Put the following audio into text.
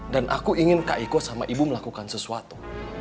dan aku ingin kak iko sama ibu melakukan sesuatu